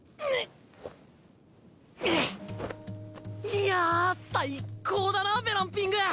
いや最っ高だなベランピング！